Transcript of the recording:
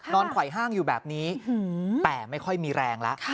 ไขว้ห้างอยู่แบบนี้แต่ไม่ค่อยมีแรงแล้ว